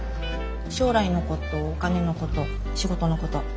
将来のことお金のこと仕事のこと。